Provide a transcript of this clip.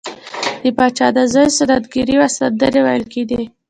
د پاچا د زوی سنت ګیری وه سندرې ویل کیدې.